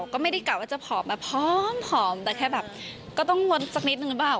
ก็ไม่ได้กะว่าจะผอมแบบผอมแต่แค่แบบก็ต้องงดสักนิดนึงหรือเปล่า